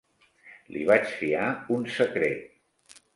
Li vaig fiar un secret.